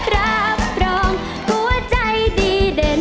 รักกันมาหัวใจมันอยากเสนอ